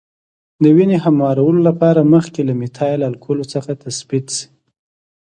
د وینې هموارولو لپاره مخکې له میتایل الکولو څخه تثبیت شي.